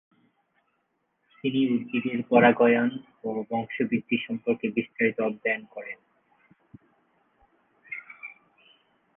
তিনি উদ্ভিদের পরাগায়ন ও বংশবৃদ্ধি সম্পর্কে বিস্তারিত অধ্যয়ন করেন।